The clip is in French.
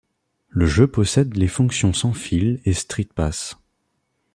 Le jeu possède les fonctions sans-fil et StreetPass.